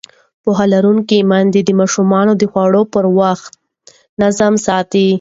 پوهه لرونکې میندې د ماشومانو د خوړو پر وخت نظم ساتي.